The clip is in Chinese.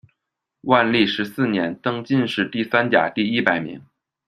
万历十四年，登进士第三甲第一百名。